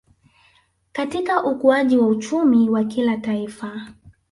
Katika ukuaji wa uchumi wa kila Taifa